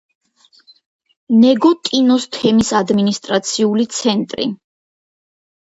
ნეგოტინოს თემის ადმინისტრაციული ცენტრი.